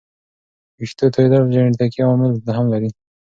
ویښتو توېیدل جنیټیکي عوامل هم لري.